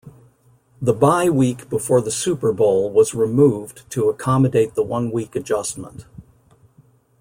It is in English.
The bye week before the Super Bowl was removed to accommodate the one-week adjustment.